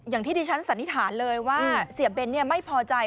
อย่างที่ดิฉันสันนิษฐานเลยว่าเสียเบ้นไม่พอใจ